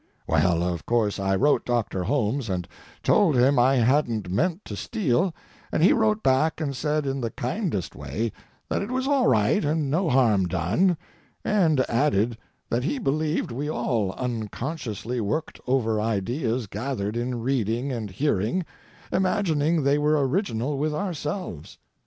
Well, of course, I wrote Doctor Holmes and told him I hadn't meant to steal, and he wrote back and said in the kindest way that it was all right and no harm done; and added that he believed we all unconsciously worked over ideas gathered in reading and hearing, imagining they were original with ourselves.